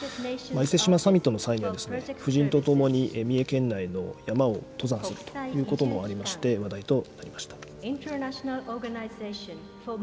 伊勢志摩サミットの際には、夫人と共に三重県内の山を登山するということもありまして、話題となりました。